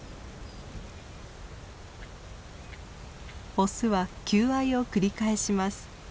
オスは求愛を繰り返します。